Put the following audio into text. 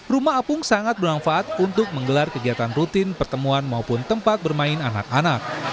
rumah apung sangat bermanfaat untuk menggelar kegiatan rutin pertemuan maupun tempat bermain anak anak